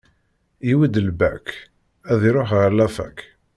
Yiwi-d lbak, ad iruḥ ɣer lafak